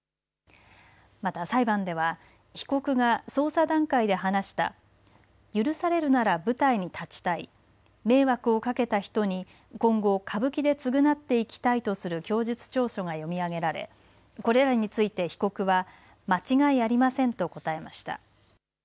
また裁判では被告が捜査段階で話した許されるなら舞台に立ちたい迷惑をかけた人に今後歌舞伎で償っていきたいとする供述調書が読み上げられこれらについて被告は間違いありませんと答えました。